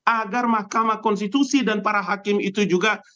agar mahkamah konstitusi dan para hakim itu juga